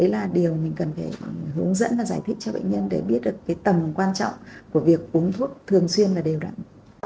đấy là điều mình cần phải hướng dẫn và giải thích cho bệnh nhân để biết được cái tầm quan trọng của việc uống thuốc thường xuyên là đều đặn